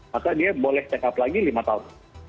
maka dia boleh check up lagi lima tahun